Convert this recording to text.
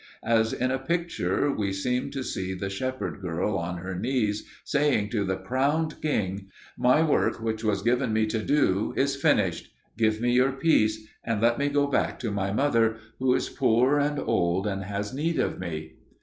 As in a picture we seemed to see the shepherd girl on her knees saying to the crowned king: "My work which was given me to do is finished: give me your peace, and let me go back to my mother, who is poor and old, and has need of me."